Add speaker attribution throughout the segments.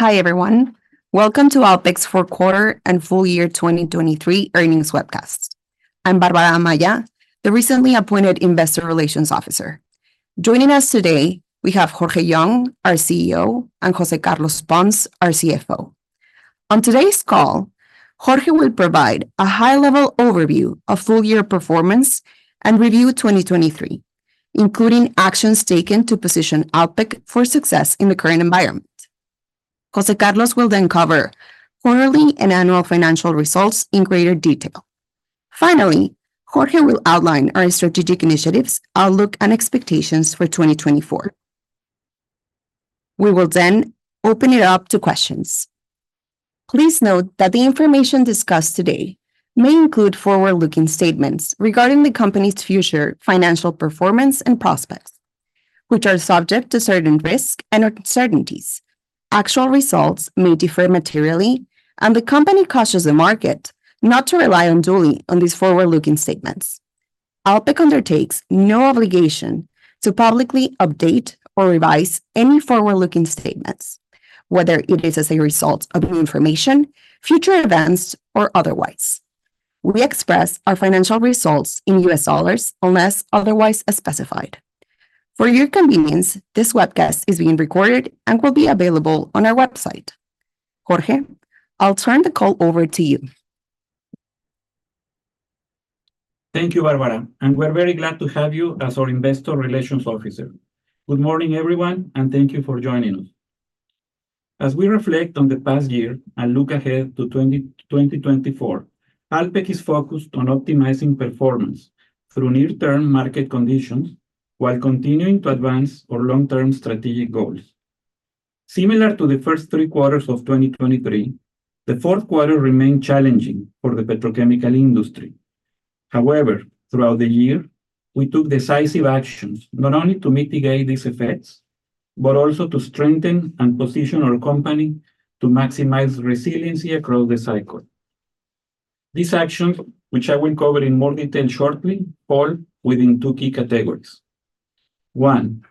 Speaker 1: Hi everyone, welcome to Alpek's fourth-quarter and full-year 2023 earnings webcast. I'm Bárbara Amaya, the recently appointed Investor Relations Officer. Joining us today, we have Jorge Young, our CEO, and José Carlos Pons, our CFO. On today's call, Jorge will provide a high-level overview of full-year performance and review 2023, including actions taken to position Alpek for success in the current environment. José Carlos will then cover quarterly and annual financial results in greater detail. Finally, Jorge will outline our strategic initiatives, outlook, and expectations for 2024. We will then open it up to questions. Please note that the information discussed today may include forward-looking statements regarding the company's future financial performance and prospects, which are subject to certain risk and uncertainties. Actual results may differ materially, and the company cautions the market not to rely unduly on these forward-looking statements. Alpek undertakes no obligation to publicly update or revise any forward-looking statements, whether it is as a result of new information, future events, or otherwise. We express our financial results in U.S. dollars unless otherwise specified. For your convenience, this webcast is being recorded and will be available on our website. Jorge, I'll turn the call over to you.
Speaker 2: Thank you, Bárbara, and we're very glad to have you as our Investor Relations Officer. Good morning everyone, and thank you for joining us. As we reflect on the past year and look ahead to 2024, Alpek is focused on optimizing performance through near-term market conditions while continuing to advance our long-term strategic goals. Similar to the first three quarters of 2023, the fourth quarter remained challenging for the petrochemical industry. However, throughout the year, we took decisive actions not only to mitigate these effects but also to strengthen and position our company to maximize resiliency across the cycle. These actions, which I will cover in more detail shortly, fall within two key categories: one,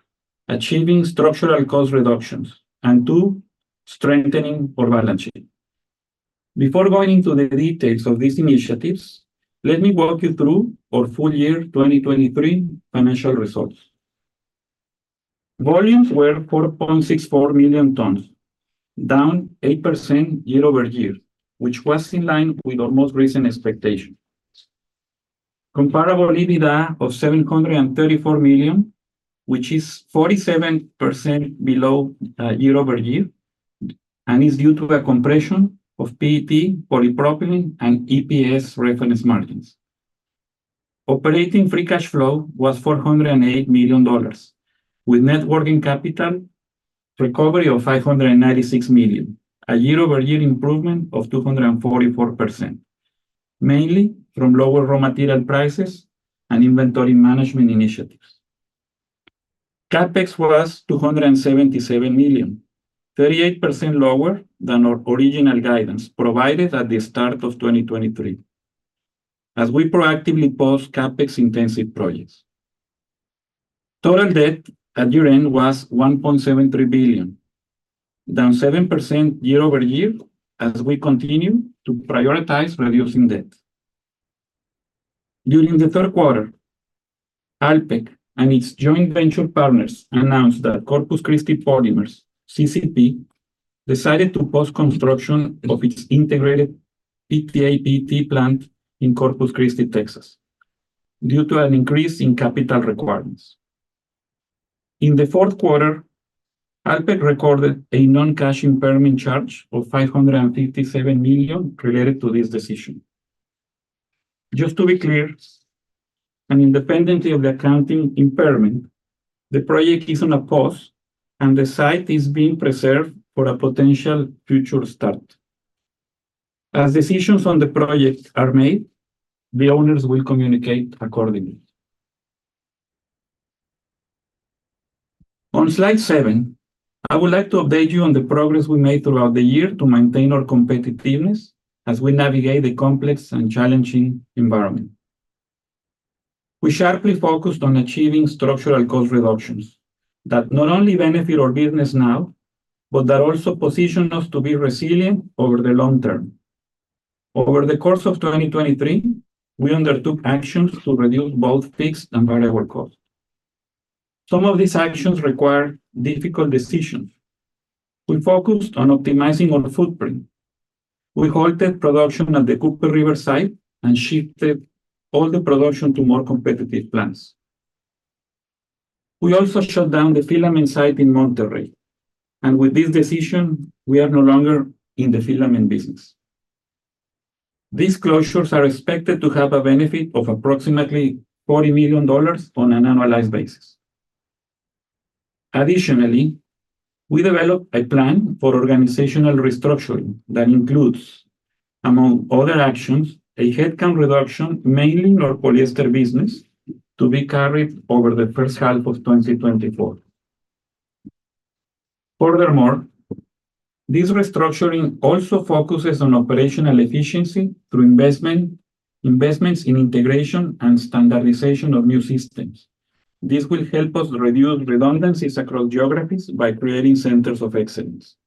Speaker 2: achieving structural cost reductions, and two, strengthening our balance sheet. Before going into the details of these initiatives, let me walk you through our full-year 2023 financial results. Volumes were 4.64 million tons, down 8% year-over-year, which was in line with our most recent expectations. Comparable EBITDA of $734 million, which is 47% below year-over-year and is due to a compression of PET, polypropylene, and EPS reference margins. Operating free cash flow was $408 million, with net working capital recovery of $596 million, a year-over-year improvement of 244%, mainly from lower raw material prices and inventory management initiatives. CapEx was $277 million, 38% lower than our original guidance provided at the start of 2023, as we proactively paused CapEx-intensive projects. Total debt at year-end was $1.73 billion, down 7% year-over-year as we continue to prioritize reducing debt. During the third quarter, Alpek and its joint venture partners announced that Corpus Christi Polymers (CCP) decided to pause construction of its integrated PTA/PET plant in Corpus Christi, Texas, due to an increase in capital requirements. In the fourth quarter, Alpek recorded a non-cash impairment charge of $557 million related to this decision. Just to be clear, and independently of the accounting impairment, the project is on a pause and the site is being preserved for a potential future start. As decisions on the project are made, the owners will communicate accordingly. On slide seven, I would like to update you on the progress we made throughout the year to maintain our competitiveness as we navigate the complex and challenging environment. We sharply focused on achieving structural cost reductions that not only benefit our business now but that also position us to be resilient over the long term. Over the course of 2023, we undertook actions to reduce both fixed and variable costs. Some of these actions required difficult decisions. We focused on optimizing our footprint. We halted production at the Cooper River site and shifted all the production to more competitive plants. We also shut down the filament site in Monterrey, and with this decision, we are no longer in the filament business. These closures are expected to have a benefit of approximately $40 million on an annualized basis. Additionally, we developed a plan for organizational restructuring that includes, among other actions, a headcount reduction mainly in our polyester business to be carried over the first half of 2024. Furthermore, this restructuring also focuses on operational efficiency through investments in integration and standardization of new systems. This will help us reduce redundancies across geographies by creating centers of excellence.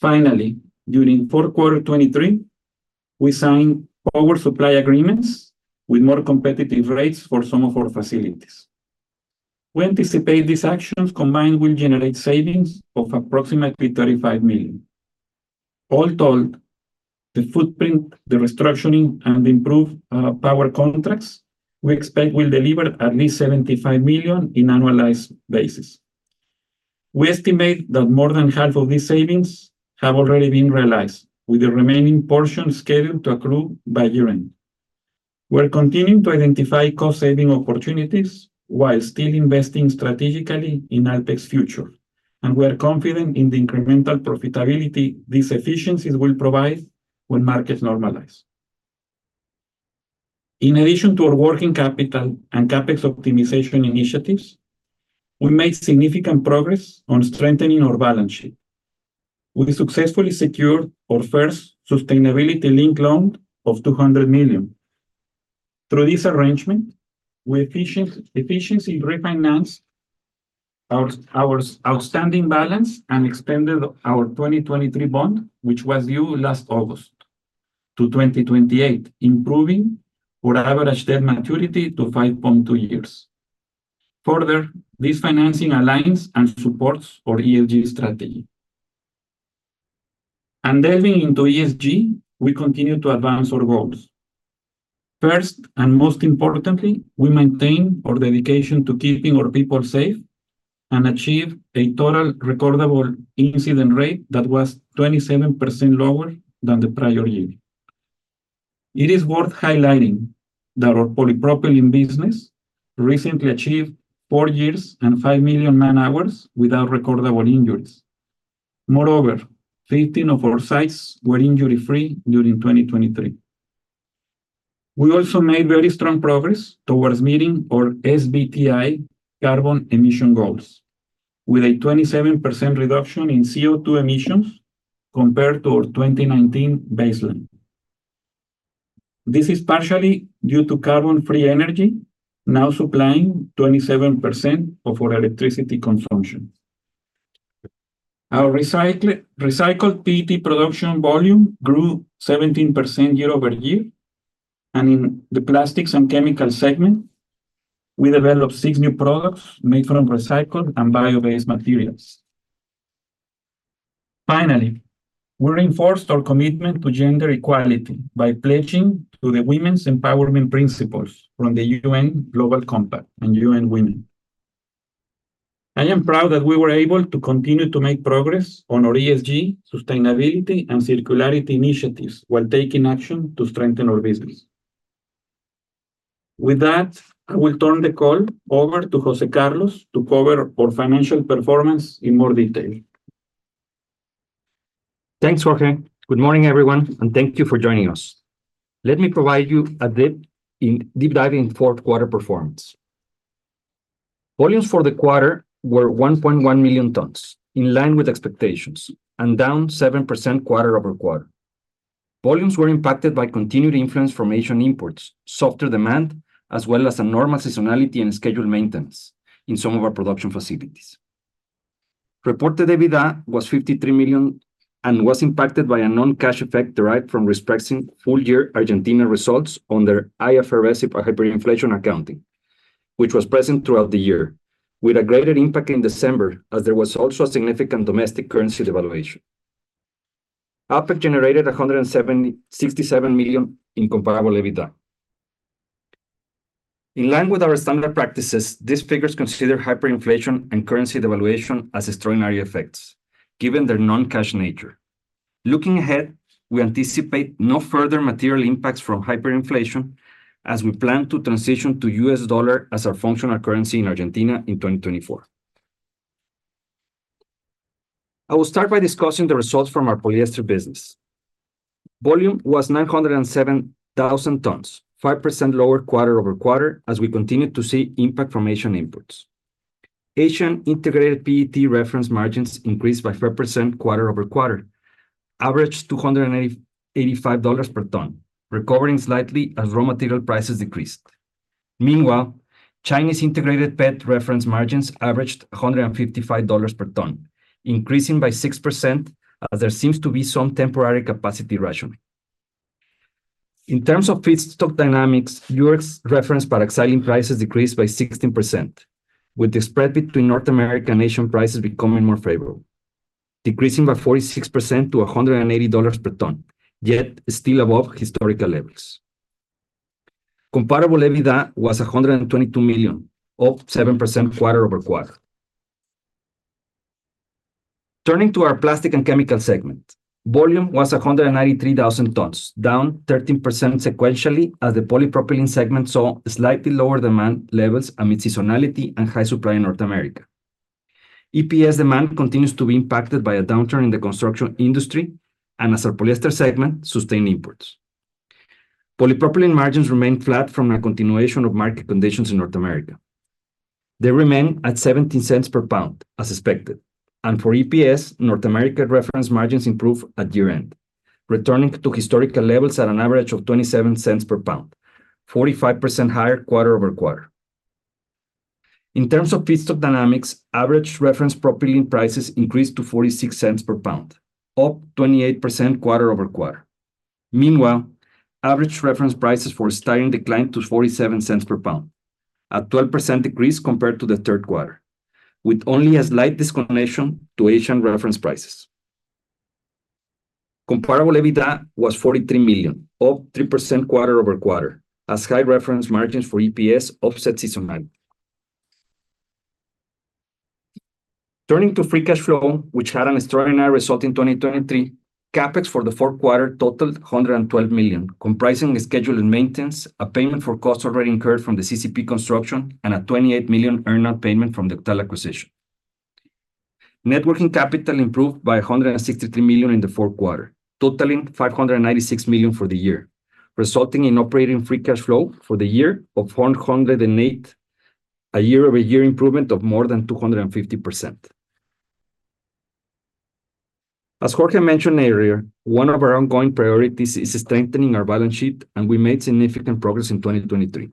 Speaker 2: Finally, during fourth quarter 2023, we signed power supply agreements with more competitive rates for some of our facilities. We anticipate these actions combined will generate savings of approximately $35 million. All told, the footprint, the restructuring, and the improved power contracts we expect will deliver at least $75 million in annualized basis. We estimate that more than half of these savings have already been realized, with the remaining portion scheduled to accrue by year-end. We're continuing to identify cost-saving opportunities while still investing strategically in Alpek's future, and we're confident in the incremental profitability these efficiencies will provide when markets normalize. In addition to our working capital and CapEx optimization initiatives, we made significant progress on strengthening our balance sheet. We successfully secured our first sustainability-linked loan of $200 million. Through this arrangement, we efficiently refinanced our outstanding balance and extended our 2023 bond, which was due last August, to 2028, improving our average debt maturity to 5.2 years. Further, this financing aligns and supports our ESG strategy. Delving into ESG, we continue to advance our goals. First and most importantly, we maintain our dedication to keeping our people safe and achieve a total recordable incident rate that was 27% lower than the prior year. It is worth highlighting that our polypropylene business recently achieved four years and 5 million man-hours without recordable injuries. Moreover, 15 of our sites were injury-free during 2023. We also made very strong progress towards meeting our SBTi carbon emission goals, with a 27% reduction in CO2 emissions compared to our 2019 baseline. This is partially due to carbon-free energy now supplying 27% of our electricity consumption. Our recycled PET production volume grew 17% year-over-year, and in the plastics and chemical segment, we developed six new products made from recycled and bio-based materials. Finally, we reinforced our commitment to gender equality by pledging to the Women's Empowerment Principles from the UN Global Compact and UN Women. I am proud that we were able to continue to make progress on our ESG, sustainability, and circularity initiatives while taking action to strengthen our business. With that, I will turn the call over to José Carlos to cover our financial performance in more detail.
Speaker 3: Thanks, Jorge. Good morning everyone, and thank you for joining us. Let me provide you a deep dive in fourth quarter performance. Volumes for the quarter were 1.1 million tons, in line with expectations, and down 7% quarter-over-quarter. Volumes were impacted by continued influence from Asian imports, softer demand, as well as abnormal seasonality and scheduled maintenance in some of our production facilities. Reported EBITDA was $53 million and was impacted by a non-cash effect derived from respecting full-year Argentina results under IFRS Hyperinflation Accounting, which was present throughout the year, with a greater impact in December as there was also a significant domestic currency devaluation. Alpek generated $67 million in comparable EBITDA. In line with our standard practices, these figures consider hyperinflation and currency devaluation as extraordinary effects, given their non-cash nature. Looking ahead, we anticipate no further material impacts from hyperinflation as we plan to transition to U.S. dollar as our functional currency in Argentina in 2024. I will start by discussing the results from our polyester business. Volume was 907,000 tons, 5% lower quarter-over-quarter as we continue to see impact from Asian imports. Asian integrated PET reference margins increased by 5% quarter-over-quarter, averaged $285 per ton, recovering slightly as raw material prices decreased. Meanwhile, Chinese integrated PET reference margins averaged $155 per ton, increasing by 6% as there seems to be some temporary capacity rationing. In terms of feedstock dynamics, Europe's reference paraxylene prices decreased by 16%, with the spread between North American and Asian prices becoming more favorable, decreasing by 46% to $180 per ton, yet still above historical levels. Comparable EBITDA was $122 million, up 7% quarter-over-quarter. Turning to our Plastics and Chemicals segment, volume was 193,000 tons, down 13% sequentially as the polypropylene segment saw slightly lower demand levels amid seasonality and high supply in North America. EPS demand continues to be impacted by a downturn in the construction industry and, as our polyester segment, sustained imports. Polypropylene margins remain flat from the continuation of market conditions in North America. They remain at $0.17 per pound, as expected, and for EPS, North America reference margins improve at year-end, returning to historical levels at an average of $0.27 per pound, 45% higher quarter-over-quarter. In terms of feedstock dynamics, average reference propylene prices increased to $0.46 per pound, up 28% quarter-over-quarter. Meanwhile, average reference prices for styrene declined to $0.47 per pound, a 12% decrease compared to the third quarter, with only a slight disconnection to Asian reference prices. Comparable EBITDA was $43 million, up 3% quarter-over-quarter, as high reference margins for EPS offset seasonality. Turning to free cash flow, which had an extraordinary result in 2023, CapEx for the fourth quarter totaled $112 million, comprising scheduled maintenance, a payment for costs already incurred from the CCP construction, and a $28 million earnout payment from the OCTAL acquisition. Net working capital improved by $163 million in the fourth quarter, totaling $596 million for the year, resulting in operating free cash flow for the year of a year-over-year improvement of more than 250%. As Jorge mentioned earlier, one of our ongoing priorities is strengthening our balance sheet, and we made significant progress in 2023.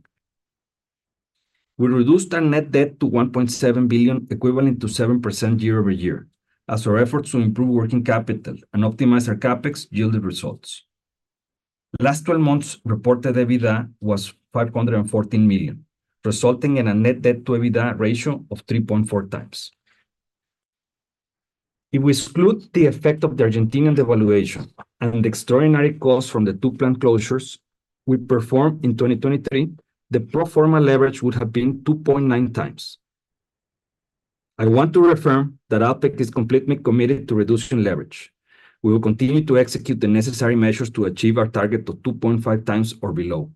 Speaker 3: We reduced our net debt to $1.7 billion, equivalent to 7% year-over-year, as our efforts to improve working capital and optimize our CapEx yielded results. Last 12 months' reported EBITDA was $514 million, resulting in a Net Debt-to-EBITDA ratio of 3.4 times. If we exclude the effect of the Argentine devaluation and the extraordinary costs from the two plant closures we performed in 2023, the pro forma leverage would have been 2.9 times. I want to reaffirm that Alpek is completely committed to reducing leverage. We will continue to execute the necessary measures to achieve our target of 2.5 times or below.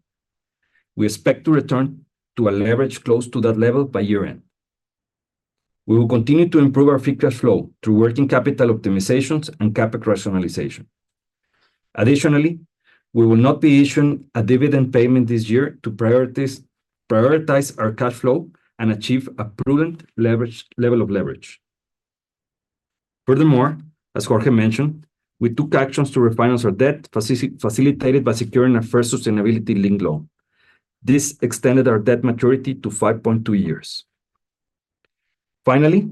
Speaker 3: We expect to return to a leverage close to that level by year-end. We will continue to improve our free cash flow through working capital optimizations and CapEx rationalization. Additionally, we will not be issuing a dividend payment this year to prioritize our cash flow and achieve a prudent level of leverage. Furthermore, as Jorge mentioned, we took actions to refinance our debt facilitated by securing our first sustainability-linked loan. This extended our debt maturity to 5.2 years. Finally,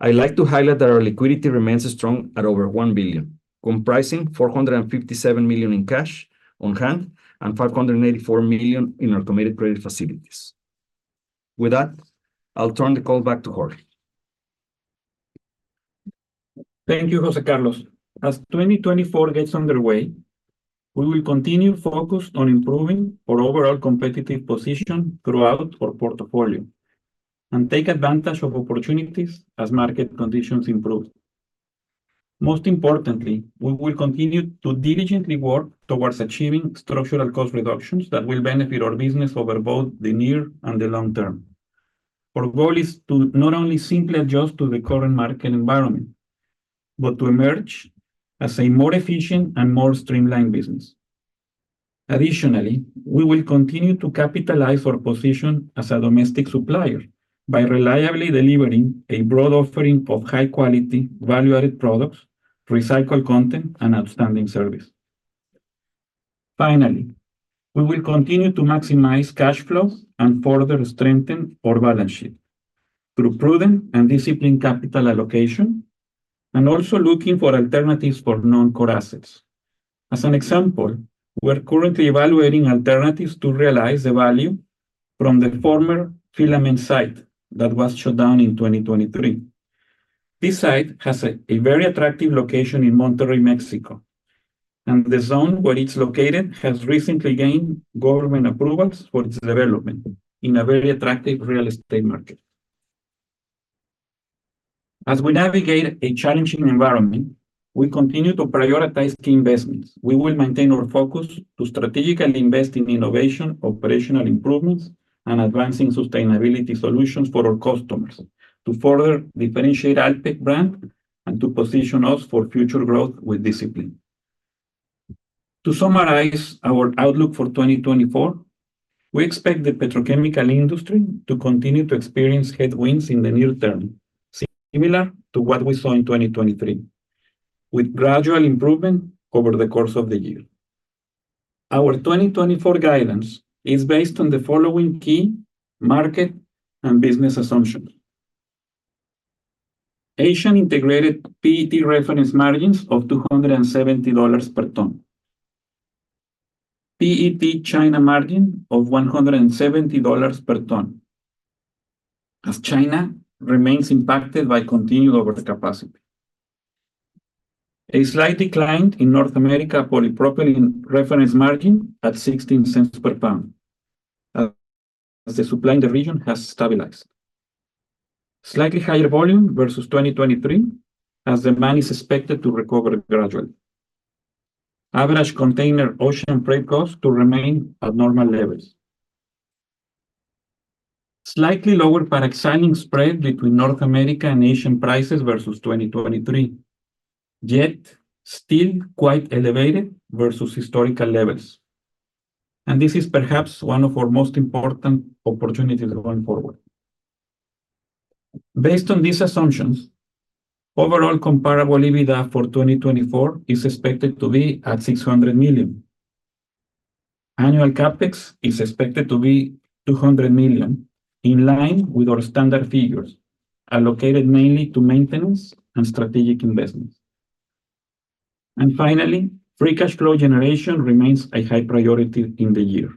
Speaker 3: I'd like to highlight that our liquidity remains strong at over $1 billion, comprising $457 million in cash on hand and $584 million in our committed credit facilities. With that, I'll turn the call back to Jorge.
Speaker 2: Thank you, José Carlos. As 2024 gets underway, we will continue focused on improving our overall competitive position throughout our portfolio and take advantage of opportunities as market conditions improve. Most importantly, we will continue to diligently work towards achieving structural cost reductions that will benefit our business over both the near and the long term. Our goal is to not only simply adjust to the current market environment but to emerge as a more efficient and more streamlined business. Additionally, we will continue to capitalize our position as a domestic supplier by reliably delivering a broad offering of high-quality, value-added products, recycled content, and outstanding service. Finally, we will continue to maximize cash flow and further strengthen our balance sheet through prudent and disciplined capital allocation, and also looking for alternatives for non-core assets. As an example, we're currently evaluating alternatives to realize the value from the former filament site that was shut down in 2023. This site has a very attractive location in Monterrey, Mexico, and the zone where it's located has recently gained government approvals for its development in a very attractive real estate market. As we navigate a challenging environment, we continue to prioritize key investments. We will maintain our focus to strategically invest in innovation, operational improvements, and advancing sustainability solutions for our customers to further differentiate the Alpek brand and to position us for future growth with discipline. To summarize our outlook for 2024, we expect the petrochemical industry to continue to experience headwinds in the near term, similar to what we saw in 2023, with gradual improvement over the course of the year. Our 2024 guidance is based on the following key market and business assumptions: Asian integrated PET reference margins of $270 per ton, PET China margin of $170 per ton, as China remains impacted by continued overcapacity, a slight decline in North America polypropylene reference margin at $0.16 per pound, as the supply in the region has stabilized, slightly higher volume versus 2023 as demand is expected to recover gradually, average container ocean freight costs to remain at normal levels, slightly lower paraxylene spread between North America and Asian prices versus 2023, yet still quite elevated versus historical levels, and this is perhaps one of our most important opportunities going forward. Based on these assumptions, overall Comparable EBITDA for 2024 is expected to be at $600 million. Annual CapEx is expected to be $200 million, in line with our standard figures, allocated mainly to maintenance and strategic investments. And finally, free cash flow generation remains a high priority in the year.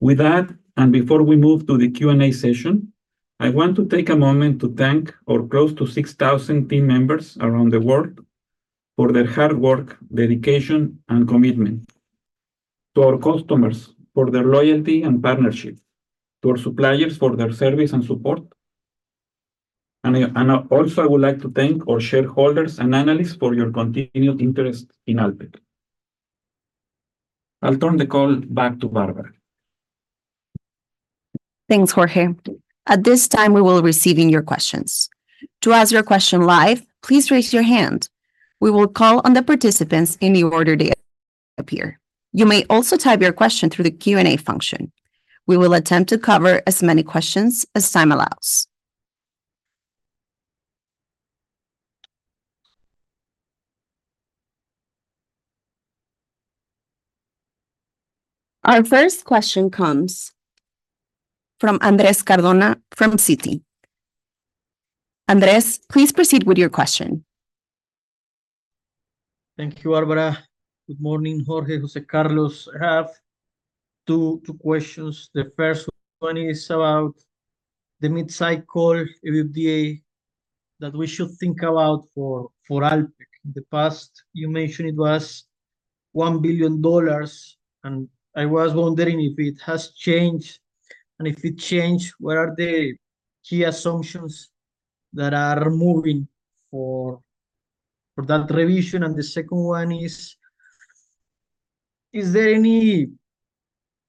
Speaker 2: With that, and before we move to the Q&A session, I want to take a moment to thank our close to 6,000 team members around the world for their hard work, dedication, and commitment, to our customers for their loyalty and partnership, to our suppliers for their service and support, and also, I would like to thank our shareholders and analysts for your continued interest in Alpek. I'll turn the call back to Bárbara.
Speaker 1: Thanks, Jorge. At this time, we will be receiving your questions. To ask your question live, please raise your hand. We will call on the participants in the order they appear. You may also type your question through the Q&A function. We will attempt to cover as many questions as time allows. Our first question comes from Andrés Cardona from Citi. Andrés, please proceed with your question.
Speaker 4: Thank you, Bárbara. Good morning, Jorge, José Carlos. I have two questions. The first one is about the mid-cycle EBITDA that we should think about for Alpek. In the past, you mentioned it was $1 billion, and I was wondering if it has changed, and if it changed, what are the key assumptions that are moving for that revision? And the second one is: is there any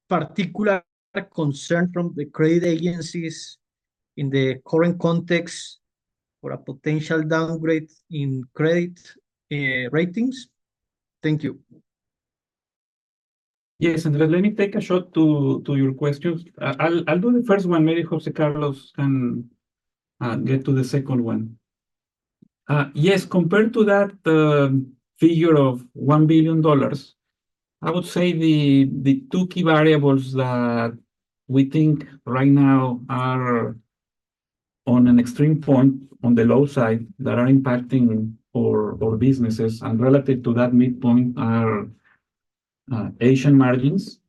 Speaker 4: particular concern from the credit agencies in the current context for a potential downgrade in credit ratings? Thank you.
Speaker 2: Yes, Andrés, let me take a shot at your questions. I'll do the first one. Maybe José Carlos can get to the second one. Yes, compared to that figure of $1 billion, I would say the two key variables that we think right now are on an extreme point, on the low side, that are impacting our businesses, and relative to that midpoint are Asian margins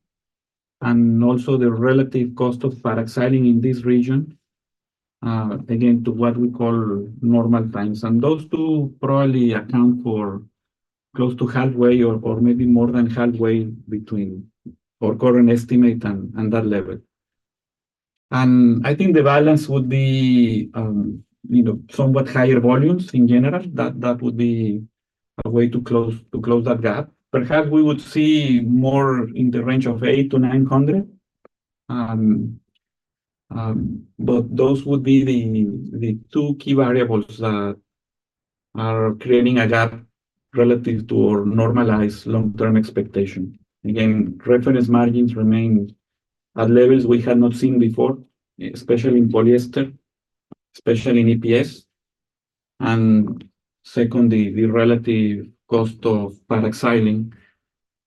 Speaker 2: and also the relative cost of paraxylene in this region, again, to what we call normal times. And those two probably account for close to halfway or maybe more than halfway between our current estimate and that level. And I think the balance would be somewhat higher volumes in general. That would be a way to close that gap. Perhaps we would see more in the range of 800-900, but those would be the two key variables that are creating a gap relative to our normalized long-term expectation. Again, reference margins remain at levels we had not seen before, especially in polyester, especially in EPS. And second, the relative cost of paraxylene.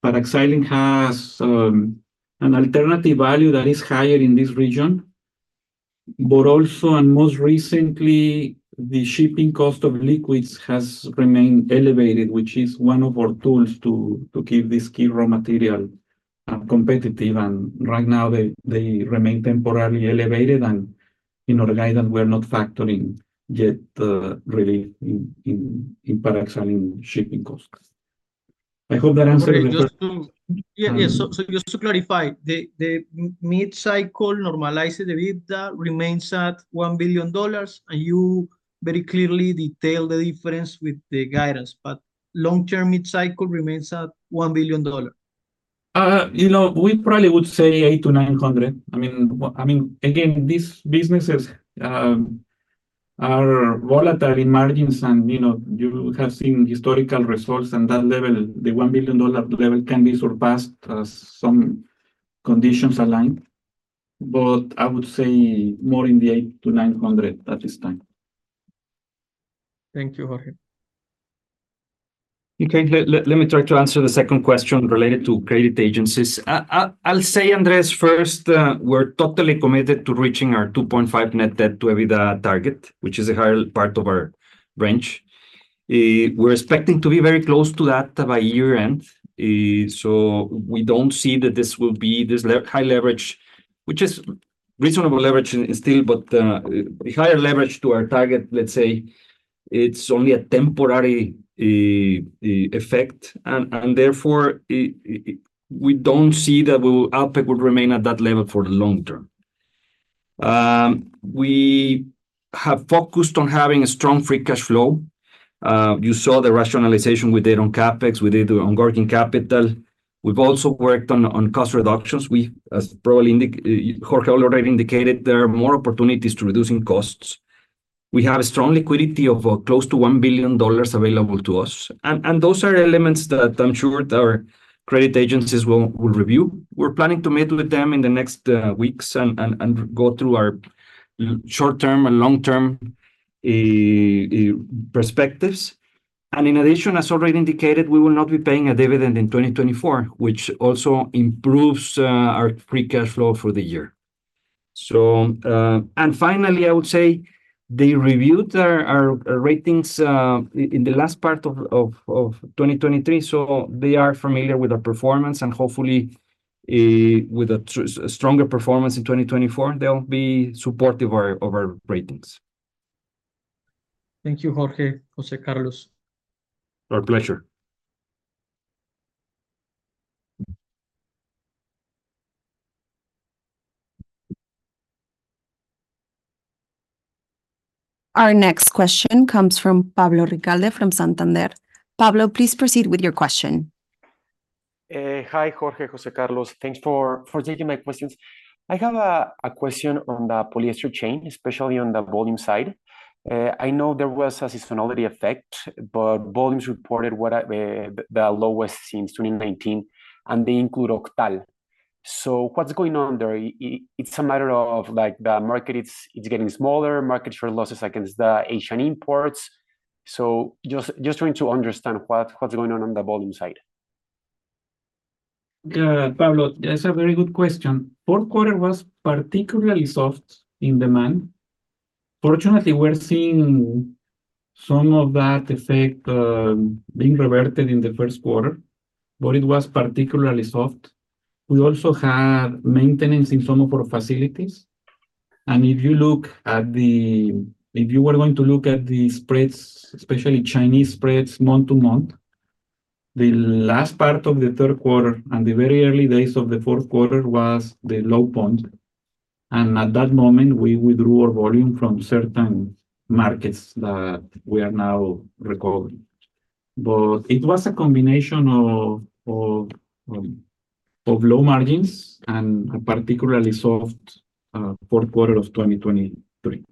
Speaker 2: Paraxylene has an alternative value that is higher in this region, but also, and most recently, the shipping cost of liquids has remained elevated, which is one of our tools to keep this key raw material competitive. And right now, they remain temporarily elevated, and in our guidance, we are not factoring yet relief in paraxylene shipping costs. I hope that answered the question.
Speaker 4: Yeah, yeah. So just to clarify, the mid-cycle normalized EBITDA remains at $1 billion, and you very clearly detailed the difference with the guidance, but long-term mid-cycle remains at $1 billion?
Speaker 2: You know, we probably would say $800 million-$900 million. I mean, again, these businesses are volatile in margins, and you have seen historical results at that level. The $1 billion level can be surpassed as some conditions align, but I would say more in the $800 million-$900 million at this time.
Speaker 4: Thank you, Jorge.
Speaker 3: Okay, let me try to answer the second question related to credit agencies. I'll say, Andrés, first, we're totally committed to reaching our 2.5 Net Debt-to-EBITDA target, which is a higher part of our range. We're expecting to be very close to that by year-end, so we don't see that this will be this high leverage, which is reasonable leverage still, but higher leverage to our target, let's say, it's only a temporary effect, and therefore, we don't see that Alpek would remain at that level for the long term. We have focused on having a strong free cash flow. You saw the rationalization we did on CapEx, we did on working capital. We've also worked on cost reductions. Jorge already indicated there are more opportunities to reduce costs. We have a strong liquidity of close to $1 billion available to us, and those are elements that I'm sure our credit agencies will review. We're planning to meet with them in the next weeks and go through our short-term and long-term perspectives. In addition, as already indicated, we will not be paying a dividend in 2024, which also improves our free cash flow for the year. Finally, I would say they reviewed our ratings in the last part of 2023, so they are familiar with our performance, and hopefully, with a stronger performance in 2024, they'll be supportive of our ratings.
Speaker 4: Thank you, Jorge, José Carlos.
Speaker 2: Our pleasure.
Speaker 1: Our next question comes from Pablo Ricalde from Santander. Pablo, please proceed with your question.
Speaker 5: Hi, Jorge, José Carlos. Thanks for taking my questions. I have a question on the polyester chain, especially on the volume side. I know there was a seasonality effect, but volumes reported the lowest since 2019, and they include OCTAL. So what's going on there? It's a matter of the market is getting smaller, market share losses against the Asian imports. So just trying to understand what's going on on the volume side.
Speaker 2: Yeah, Pablo, that's a very good question. Fourth quarter was particularly soft in demand. Fortunately, we're seeing some of that effect being reverted in the first quarter, but it was particularly soft. We also had maintenance in some of our facilities. And if you look at the spreads, especially Chinese spreads, month-to-month, the last part of the third quarter and the very early days of the fourth quarter was the low point, and at that moment, we withdrew our volume from certain markets that we are now recovering. But it was a combination of low margins and a particularly soft fourth quarter of 2023.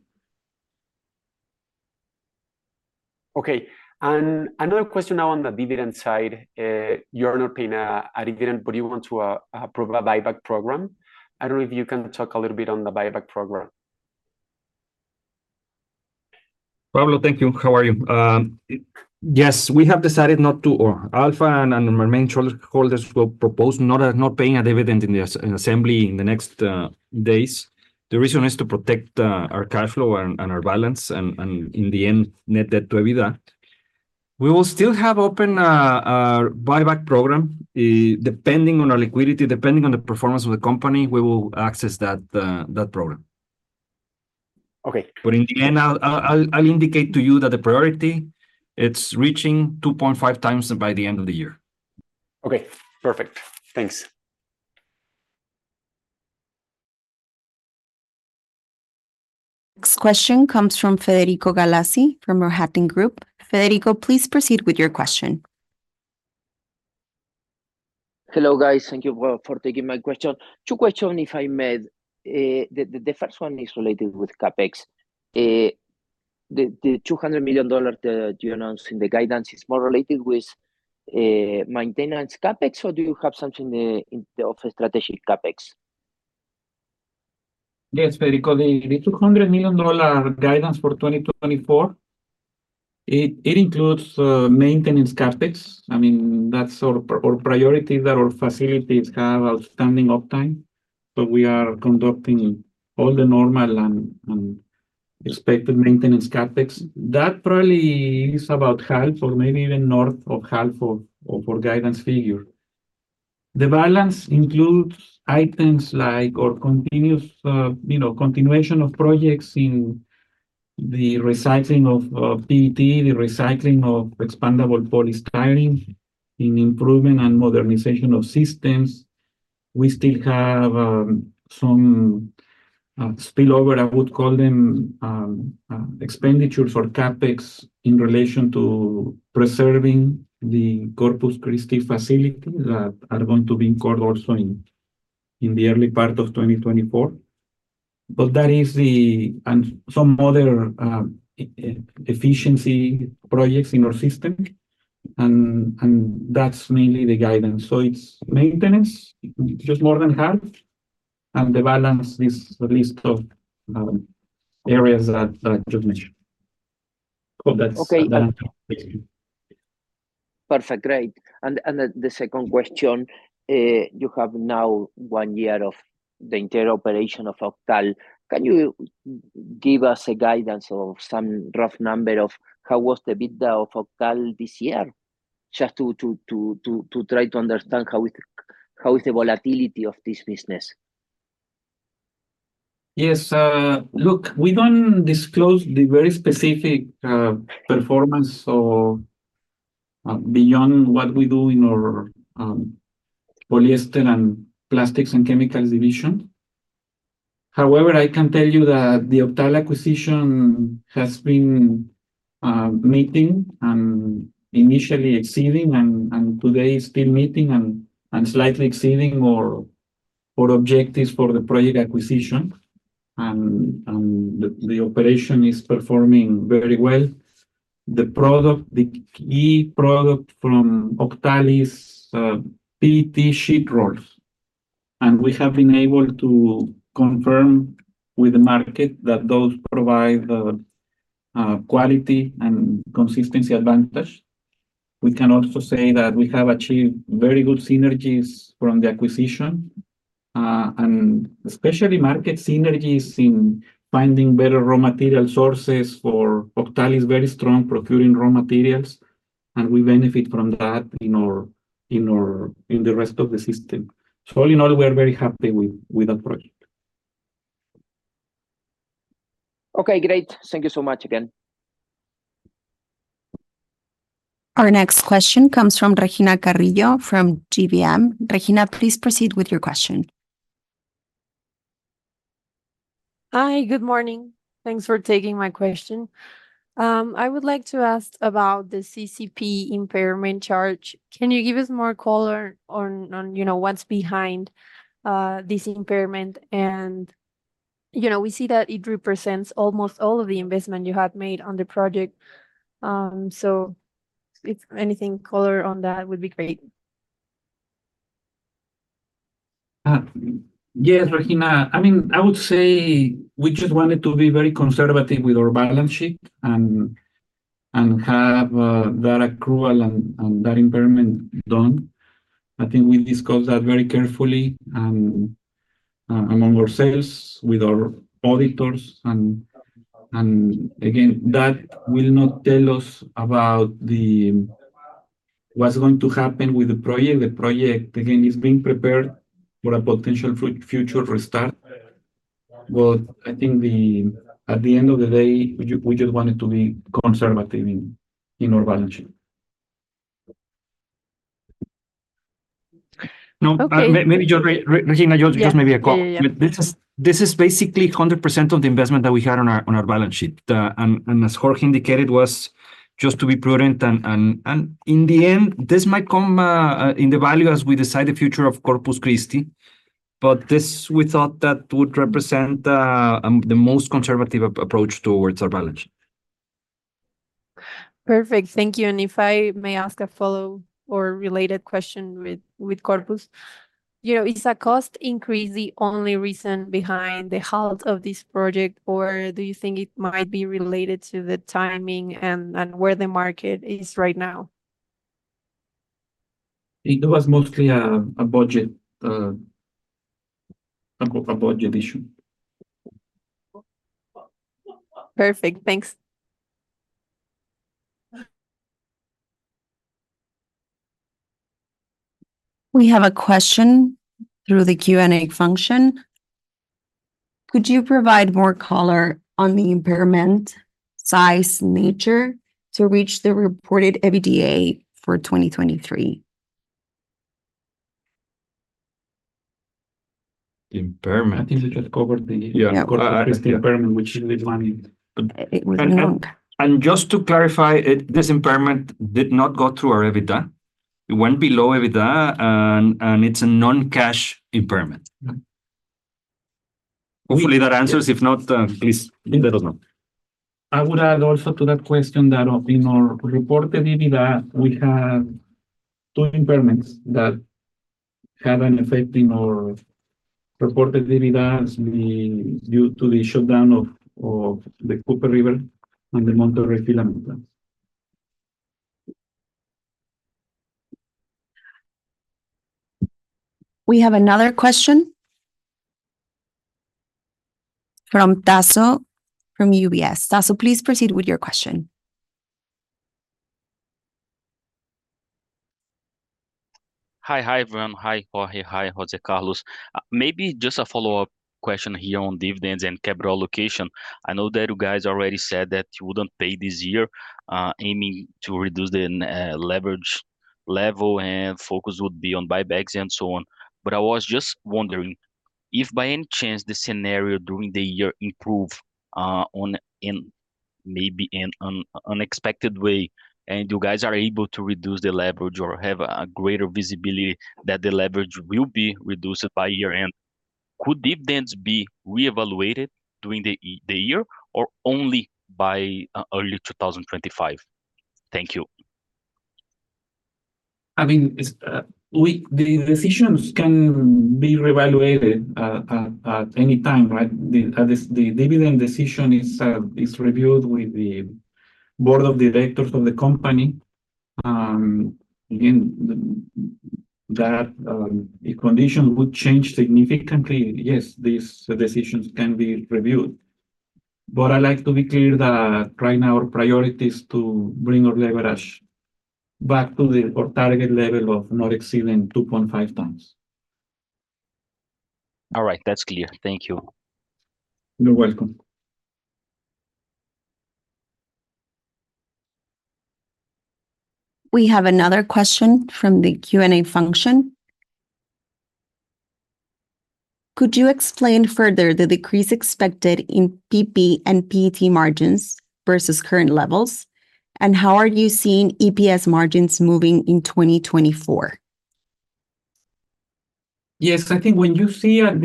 Speaker 5: Okay. Another question now on the dividend side. You're not paying a dividend, but you want to approve a buyback program. I don't know if you can talk a little bit on the buyback program.
Speaker 3: Pablo, thank you. How are you? Yes, we have decided not to, or ALFA and our main shareholders will propose not paying a dividend in the assembly in the next days. The reason is to protect our cash flow and our balance and, in the end, Net Debt-to-EBITDA. We will still have an open buyback program. Depending on our liquidity, depending on the performance of the company, we will access that program.
Speaker 5: Okay.
Speaker 3: In the end, I'll indicate to you that the priority, it's reaching 2.5 times by the end of the year.
Speaker 5: Okay, perfect. Thanks.
Speaker 1: Next question comes from Federico Galassi from Rohatyn Group. Federico, please proceed with your question.
Speaker 6: Hello, guys. Thank you for taking my question. Two questions if I may. The first one is related with CapEx. The $200 million that you announced in the guidance is more related with maintenance CapEx, or do you have something in the offing strategic CapEx?
Speaker 2: Yes, Federico. The $200 million guidance for 2024, it includes maintenance CapEx. I mean, that's our priority that our facilities have outstanding uptime, so we are conducting all the normal and expected maintenance CapEx. That probably is about half or maybe even north of half of our guidance figure. The balance includes items like our continuation of projects in the recycling of PET, the recycling of expandable polystyrene, in improvement and modernization of systems. We still have some spillover, I would call them, expenditures or CapEx in relation to preserving the Corpus Christi facilities that are going to be incorporated also in the early part of 2024. But that is the and some other efficiency projects in our system, and that's mainly the guidance. So it's maintenance, just more than half, and the balance, this list of areas that I just mentioned. Hope that's that answered.
Speaker 6: Perfect, great. And the second question, you have now one year of the entire operation of OCTAL. Can you give us a guidance of some rough number of how was the EBITDA of OCTAL this year, just to try to understand how is the volatility of this business?
Speaker 2: Yes. Look, we don't disclose the very specific performance beyond what we do in our polyester and plastics and chemicals division. However, I can tell you that the OCTAL acquisition has been meeting and initially exceeding, and today is still meeting and slightly exceeding our objectives for the project acquisition, and the operation is performing very well. The key product from OCTAL is PET sheet rolls, and we have been able to confirm with the market that those provide quality and consistency advantage. We can also say that we have achieved very good synergies from the acquisition, and especially market synergies in finding better raw material sources. OCTAL is very strong procuring raw materials, and we benefit from that in the rest of the system. So all in all, we are very happy with that project.
Speaker 6: Okay, great. Thank you so much again.
Speaker 1: Our next question comes from Regina Carrillo from GBM. Regina, please proceed with your question.
Speaker 7: Hi, good morning. Thanks for taking my question. I would like to ask about the CCP impairment charge. Can you give us more color on what's behind this impairment? And we see that it represents almost all of the investment you had made on the project. So anything color on that would be great.
Speaker 2: Yes, Regina. I mean, I would say we just wanted to be very conservative with our balance sheet and have that accrual and that impairment done. I think we discussed that very carefully among ourselves, with our auditors. And again, that will not tell us about what's going to happen with the project. The project, again, is being prepared for a potential future restart, but I think at the end of the day, we just wanted to be conservative in our balance sheet.
Speaker 3: No, maybe, Regina, just maybe a call. This is basically 100% of the investment that we had on our balance sheet, and as Jorge indicated, was just to be prudent. And in the end, this might come in the value as we decide the future of Corpus Christi, but we thought that would represent the most conservative approach towards our balance sheet.
Speaker 7: Perfect. Thank you. If I may ask a follow-up or related question with Corpus, is a cost increase the only reason behind the halt of this project, or do you think it might be related to the timing and where the market is right now?
Speaker 2: It was mostly a budget issue.
Speaker 7: Perfect. Thanks.
Speaker 1: We have a question through the Q&A function. Could you provide more color on the impairment size nature to reach the reported EBITDA for 2023?
Speaker 3: Impairment?
Speaker 2: I think we just covered the Corpus Christi impairment, which is the money.
Speaker 1: It was long.
Speaker 3: Just to clarify, this impairment did not go through our EBITDA. It went below EBITDA, and it's a non-cash impairment. Hopefully, that answers. If not, please let us know.
Speaker 2: I would add also to that question that in our reported EBITDA, we had two impairments that had an effect in our reported EBITDA due to the shutdown of the Cooper River and the Monterrey filament plants.
Speaker 1: We have another question from Tasso from UBS. Tasso, please proceed with your question.
Speaker 8: Hi, everyone. Hi, Jorge. Hi, José Carlos. Maybe just a follow-up question here on dividends and capital allocation. I know that you guys already said that you wouldn't pay this year, aiming to reduce the leverage level and focus would be on buybacks and so on. But I was just wondering if, by any chance, the scenario during the year improves in maybe an unexpected way, and you guys are able to reduce the leverage or have greater visibility that the leverage will be reduced by year-end, could dividends be reevaluated during the year or only by early 2025? Thank you.
Speaker 2: I mean, the decisions can be reevaluated at any time, right? The dividend decision is reviewed with the board of directors of the company. Again, if conditions would change significantly, yes, these decisions can be reviewed. But I like to be clear that right now, our priority is to bring our leverage back to our target level of not exceeding 2.5 times.
Speaker 8: All right, that's clear. Thank you.
Speaker 2: You're welcome.
Speaker 1: We have another question from the Q&A function. Could you explain further the decrease expected in PP and PET margins versus current levels, and how are you seeing EPS margins moving in 2024?
Speaker 2: Yes, I think when you see at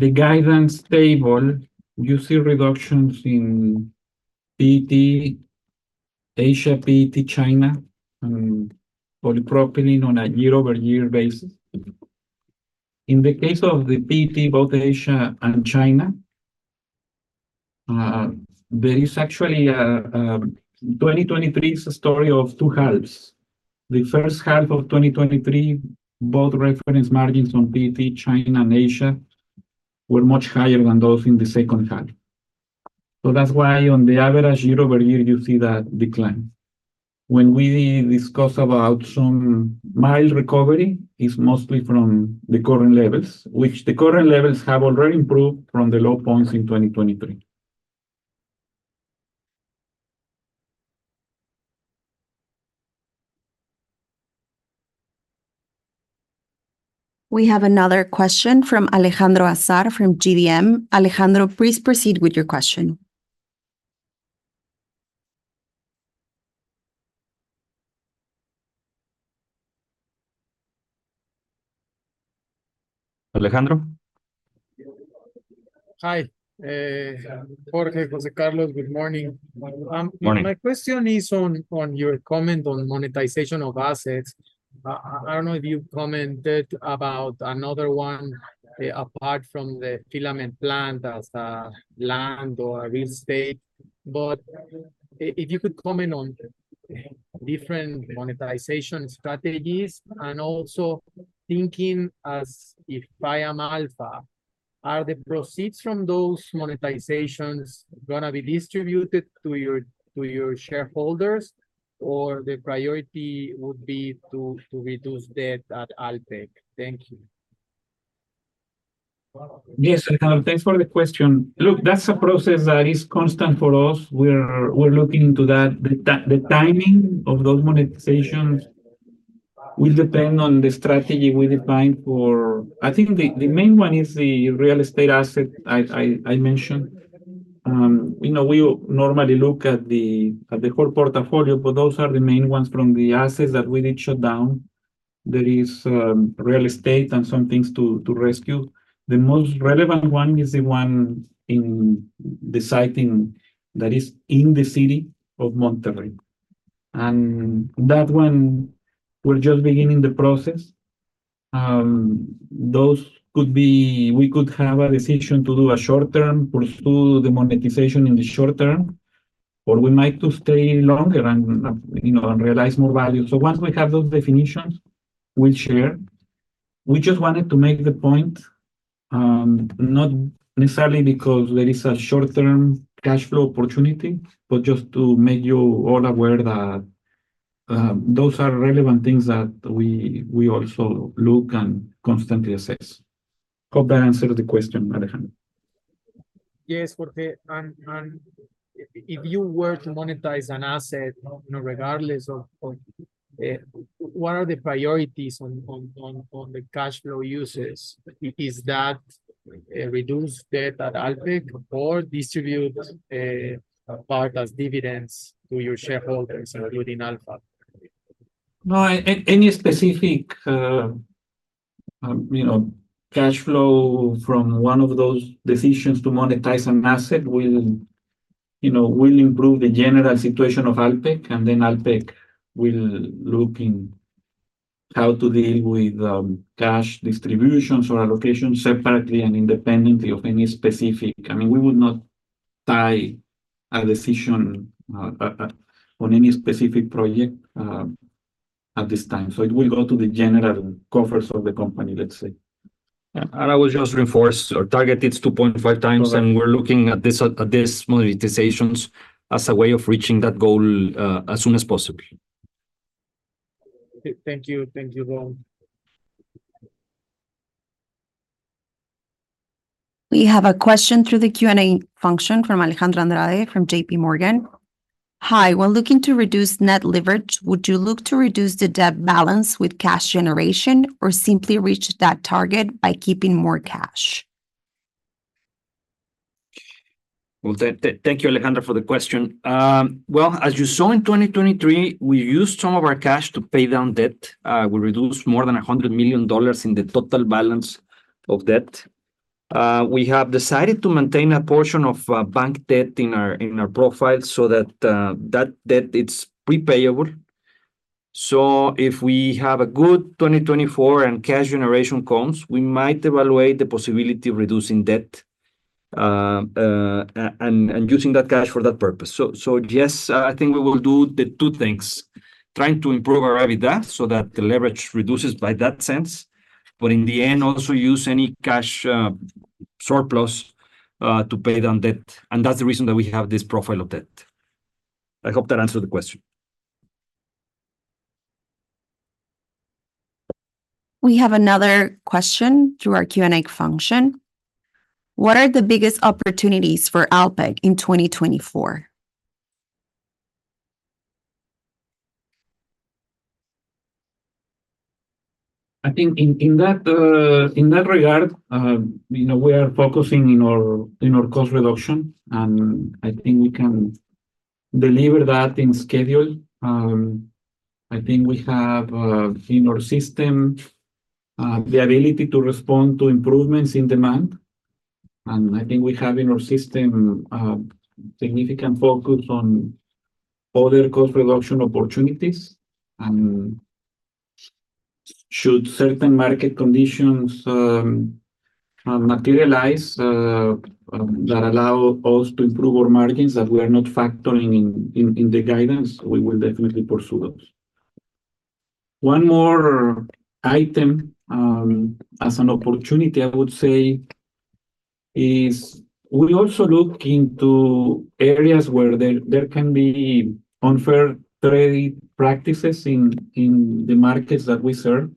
Speaker 2: the guidance table, you see reductions in PET, Asia PET, China, and polypropylene on a year-over-year basis. In the case of the PET, both Asia and China, there is actually a 2023 story of two halves. The first half of 2023, both reference margins on PET, China, and Asia were much higher than those in the second half. So that's why, on the average year-over-year, you see that decline. When we discuss about some mild recovery, it's mostly from the current levels, which the current levels have already improved from the low points in 2023.
Speaker 1: We have another question from Alejandro Azar from GBM. Alejandro, please proceed with your question.
Speaker 2: Alejandro?
Speaker 9: Hi, Jorge, José Carlos. Good morning.
Speaker 2: Morning.
Speaker 9: My question is on your comment on monetization of assets. I don't know if you commented about another one apart from the filament plant as land or real estate, but if you could comment on different monetization strategies and also thinking as if I am ALFA, are the proceeds from those monetizations going to be distributed to your shareholders, or the priority would be to reduce debt at Alpek? Thank you.
Speaker 2: Yes, Alejandro. Thanks for the question. Look, that's a process that is constant for us. We're looking into that. The timing of those monetizations will depend on the strategy we define for—I think the main one is the real estate asset I mentioned. We normally look at the whole portfolio, but those are the main ones from the assets that we did shut down. There is real estate and some things to rescue. The most relevant one is the one in the site that is in the city of Monterrey. And that one, we're just beginning the process. We could have a decision to do a short-term, pursue the monetization in the short term, or we might stay longer and realize more value. So once we have those definitions, we'll share. We just wanted to make the point, not necessarily because there is a short-term cash flow opportunity, but just to make you all aware that those are relevant things that we also look and constantly assess. Hope that answers the question, Alejandro.
Speaker 9: Yes, Jorge. And if you were to monetize an asset, regardless of what are the priorities on the cash flow uses, is that reduce debt at Alpek or distribute a part as dividends to your shareholders, including Alfa?
Speaker 2: No, any specific cash flow from one of those decisions to monetize an asset will improve the general situation of Alpek, and then Alpek will look in how to deal with cash distributions or allocations separately and independently of any specific I mean, we would not tie a decision on any specific project at this time. So it will go to the general coffers of the company, let's say.
Speaker 3: We just reinforced our target of 2.5 times, and we're looking at these monetizations as a way of reaching that goal as soon as possible.
Speaker 9: Thank you. Thank you, Pons.
Speaker 1: We have a question through the Q&A function from Alejandra Andrade from JPMorgan. Hi, when looking to reduce net leverage, would you look to reduce the debt balance with cash generation or simply reach that target by keeping more cash?
Speaker 2: Well, thank you, Alejandro, for the question. Well, as you saw in 2023, we used some of our cash to pay down debt. We reduced more than $100 million in the total balance of debt. We have decided to maintain a portion of bank debt in our profile so that that debt, it's prepayable. So if we have a good 2024 and cash generation comes, we might evaluate the possibility of reducing debt and using that cash for that purpose. So yes, I think we will do the two things, trying to improve our EBITDA so that the leverage reduces by that sense, but in the end, also use any cash surplus to pay down debt. That's the reason that we have this profile of debt. I hope that answers the question.
Speaker 1: We have another question through our Q&A function. What are the biggest opportunities for Alpek in 2024?
Speaker 2: I think in that regard, we are focusing on our cost reduction, and I think we can deliver that in schedule. I think we have in our system the ability to respond to improvements in demand. I think we have in our system significant focus on other cost reduction opportunities. Should certain market conditions materialize that allow us to improve our margins that we are not factoring in the guidance, we will definitely pursue those. One more item as an opportunity, I would say, is we also look into areas where there can be unfair trade practices in the markets that we serve.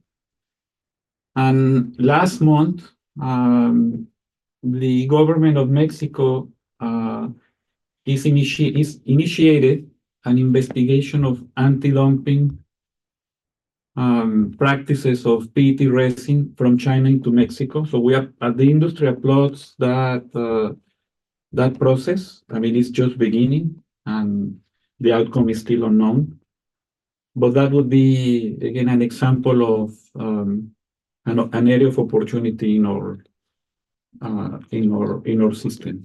Speaker 2: Last month, the government of Mexico initiated an investigation of anti-dumping practices of PET resin from China into Mexico. The industry applauds that process. I mean, it's just beginning, and the outcome is still unknown. That would be, again, an example of an area of opportunity in our system.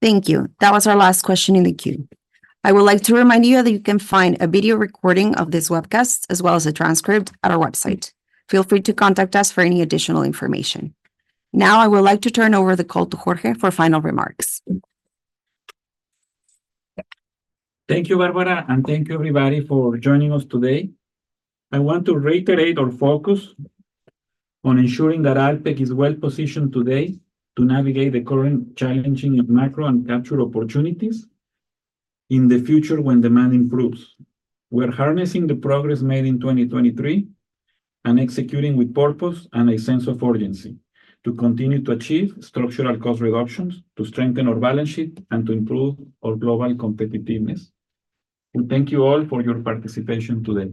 Speaker 1: Thank you. That was our last question in the queue. I would like to remind you that you can find a video recording of this webcast as well as a transcript at our website. Feel free to contact us for any additional information. Now, I would like to turn over the call to Jorge for final remarks.
Speaker 2: Thank you, Bárbara, and thank you, everybody, for joining us today. I want to reiterate our focus on ensuring that Alpek is well-positioned today to navigate the current challenging macro and capture opportunities in the future when demand improves. We're harnessing the progress made in 2023 and executing with purpose and a sense of urgency to continue to achieve structural cost reductions, to strengthen our balance sheet, and to improve our global competitiveness. We thank you all for your participation today.